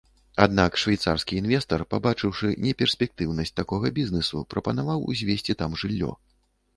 Аднак швейцарскі інвестар, пабачыўшы неперспектыўнасць такога бізнэсу, прапанаваў узвесці там жыллё.